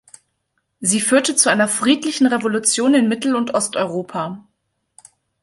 Sie führte zu einer friedlichen Revolution in Mittel- und Osteuropa.